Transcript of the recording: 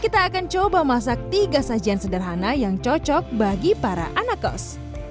kita akan coba masak tiga sajian sederhana yang cocok bagi para anak kos